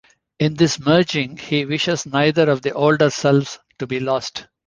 In this merging he wishes neither of the older selves to be lost.